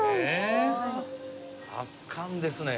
圧巻ですね。